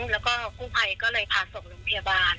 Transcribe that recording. แล้วก็กู้ภัยก็เลยพาส่งโรงพยาบาล